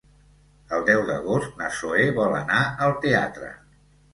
El deu d'agost na Zoè vol anar al teatre.